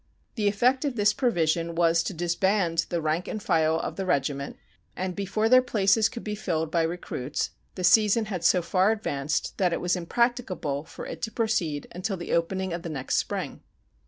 The effect of this provision was to disband the rank and file of the regiment, and before their places could be filled by recruits the season had so far advanced that it was impracticable for it to proceed until the opening of the next spring.